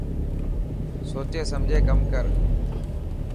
سوچي سمجهي ڪم ڪر.